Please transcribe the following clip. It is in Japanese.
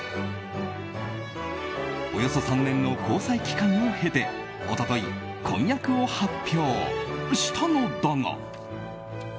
およそ３年の交際期間を経て一昨日、婚約を発表したのだが。